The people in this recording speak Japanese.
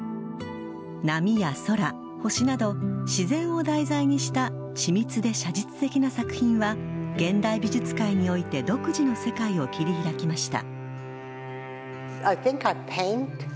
波や空、星など、自然を題材にした緻密で写実的な作品は、現代美術界において独自の世界を切り開きました。